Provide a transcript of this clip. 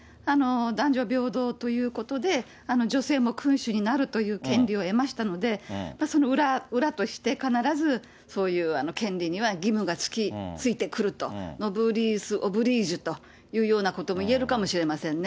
男女平等ということで、女性も君主になるという権利を得ましたので、その裏として、必ずそういう権利には義務がついてくると、オブリースオブリージュということもいえるかもしれませんね。